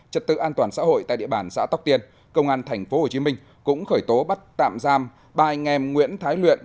trật tự an toàn xã hội tại địa bàn xã tóc tiên công an tp hcm cũng khởi tố bắt tạm giam ba anh em nguyễn thái luyện